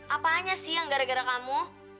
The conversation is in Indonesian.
apa aja sih yang gara gara kamu